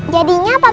jadi nggak apa apa